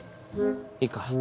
いいか？